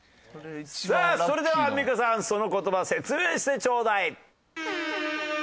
さあそれではアンミカさんその言葉説明してチョーダイ！